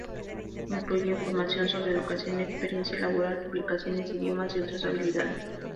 Incluye información sobre educación, experiencia laboral, publicaciones, idiomas y otras habilidades.